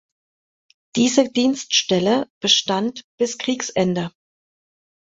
Diese Dienststelle bestand bis Kriegsende.